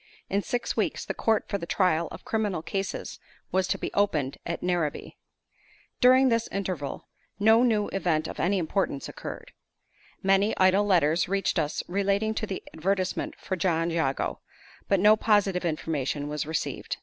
In six weeks the court for the trial of criminal cases was to be opened at Narrabee. During this interval no new event of any importance occurred. Many idle letters reached us relating to the advertisement for John Jago; but no positive information was received.